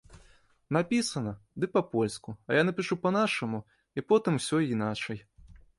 Напісана, ды па-польску, а я напішу па-нашаму і потым усё іначай.